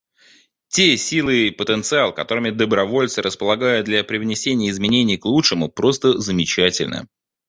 Те сила и потенциал, которыми добровольцы располагают для привнесения изменений к лучшему, просто замечательны.